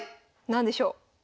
何でしょう？